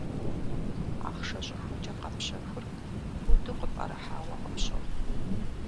Ахъшэ щӏыхуэкӏэ къэпщэхур пуду къыпӏэрыхьауэ къыпщохъу.